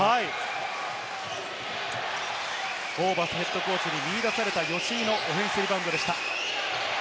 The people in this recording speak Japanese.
ホーバスＨＣに見出された吉井のオフェンスリバウンドでした。